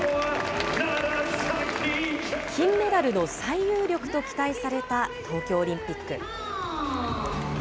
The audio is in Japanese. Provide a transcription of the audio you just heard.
金メダルの最有力と期待された東京オリンピック。